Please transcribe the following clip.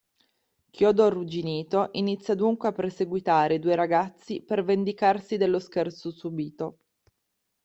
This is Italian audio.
Chiodo Arrugginito inizia dunque a perseguitare i due ragazzi per vendicarsi dello scherzo subito.